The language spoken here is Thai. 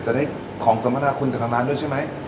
ได้ของสมนาคุณกับทางร้านด้วยใช่ไหม